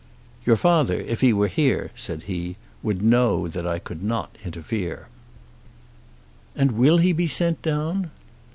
"Your father, if he were here," said he, "would know that I could not interfere." "And will he be sent down?"